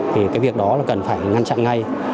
thì cái việc đó là cần phải ngăn chặn ngay